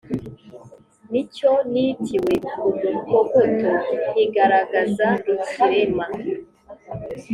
ni cyo nitiwe umukogoto nkigaragaza rukirema